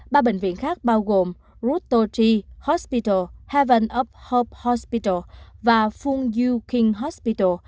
ba bệnh viện khác bao gồm ruto chi hospital heaven of hope hospital và fung yu king hospital